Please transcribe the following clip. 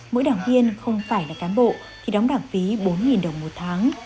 mỗi đảng viên không phải là cán bộ thì đóng đảng phí bốn đồng một tháng